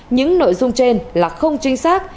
những nội dung trên là không chính xác